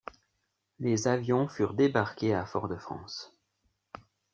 Les avions furent débarqués à Fort-de-France.